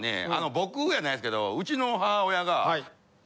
僕やないですけどうちの母親が。